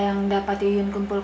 yang dapat yuyun kumpulkan